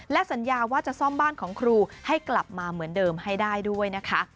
และสัญญาว่าจะซ่อมบ้านของครูให้กลับมาเหมือนเดิมให้ได้ด้วยนะคะ